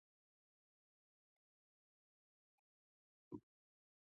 دوی د شخصي ملېشو جوړولو لپاره کافي سرچینې لري.